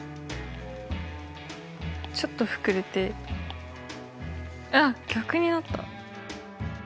ちょっと膨れてあっ逆になった。